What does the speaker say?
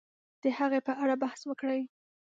د هغې په اړه بحث وکړي